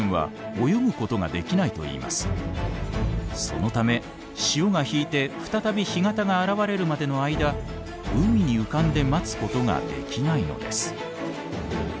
そのため潮が引いて再び干潟が現れるまでの間海に浮かんで待つことができないのです。